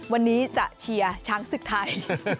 วันนี้จะเชียร์ช้างศึกไทย